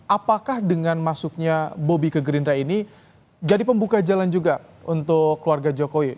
apakah dengan masuknya bobi ke gerindra ini jadi pembuka jalan juga untuk keluarga jokowi